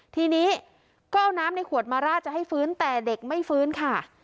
ทีนี้ก็เอาน้ำในขวดมาราดจะให้ฟื้นแต่เด็กไม่ฟื้นค่ะ